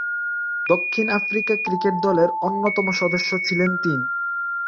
দক্ষিণ Africa cricket দলের অন্যতম সদস্য ছিলেন তিন।